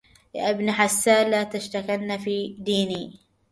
يا ابن حسان لا تشكن في دينى